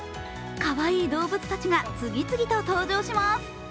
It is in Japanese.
かわいいどうぶつたちが次々と登場します。